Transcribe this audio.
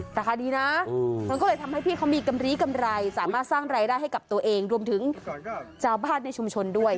ราคาดีนะมันก็เลยทำให้พี่เขามีกำลีกำไรสามารถสร้างรายได้ให้กับตัวเองรวมถึงชาวบ้านในชุมชนด้วย